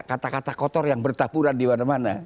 kata kata kotor yang bertaburan di mana mana